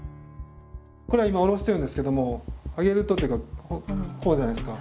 これは今下ろしてるんですけども上げるとっていうかこうじゃないですか。